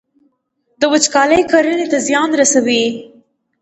وچکالي کرنې ته زیان رسوي.